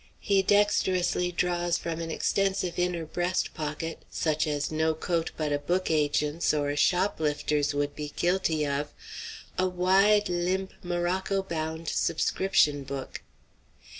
He dexterously draws from an extensive inner breast pocket, such as no coat but a book agent's or a shoplifter's would be guilty of, a wide, limp, morocco bound subscription book.